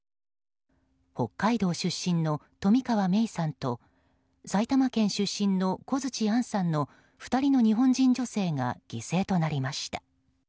北海道出身の冨川芽生さんと埼玉県出身の小槌杏さんの２人の日本人女性が犠牲となりました。